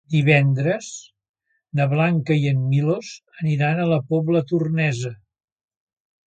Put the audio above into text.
Divendres na Blanca i en Milos aniran a la Pobla Tornesa.